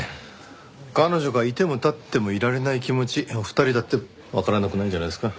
彼女がいても立ってもいられない気持ちお二人だってわからなくないんじゃないですか？